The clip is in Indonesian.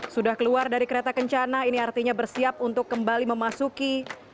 sudah keluar dari kereta kencana ini artinya bersiap untuk kembali memasuki